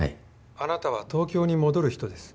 あなたは東京に戻る人です。